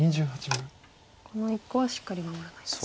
この１個はしっかり守らないと。